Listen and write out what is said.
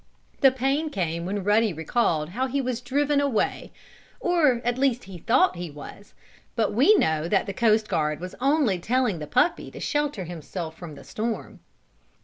The pain came when Ruddy recalled how he was driven away or at least he thought he was. But we know that the coast guard was only telling the puppy to shelter himself from the storm.